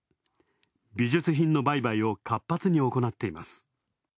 美術品の売買を活発に行っています。